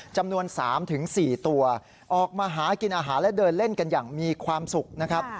จำนวน๓๔ตัวออกมาหากินอาหารและเดินเล่นกันอย่างมีความสุขนะครับ